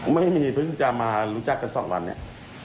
เพิ่งจะมารู้จักกัน๒วันเนี่ย